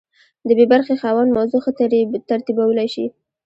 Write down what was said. د بي برخې خاوند موضوع ښه ترتیبولی شي.